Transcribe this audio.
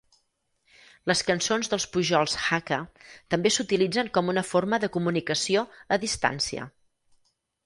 Les cançons dels pujols Hakka també s'utilitzen com una forma de comunicació a distància.